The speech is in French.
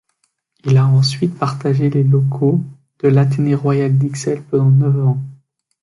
Il a ensuite partagé les locaux de l'Athénée Royal d'Ixelles pendant neuf ans.